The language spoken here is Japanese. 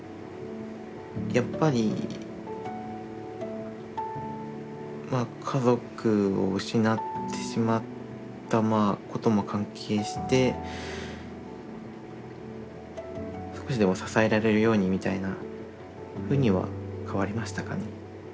やっぱりまあ家族を失ってしまったことも関係して少しでも支えられるようにみたいなふうには変わりましたかね。